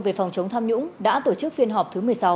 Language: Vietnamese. về phòng chống tham nhũng đã tổ chức phiên họp thứ một mươi sáu